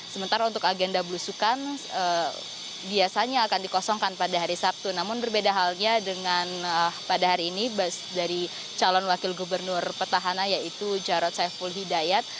sementara untuk agenda belusukan biasanya akan dikosongkan pada hari sabtu namun berbeda halnya dengan pada hari ini dari calon wakil gubernur petahana yaitu jarod saiful hidayat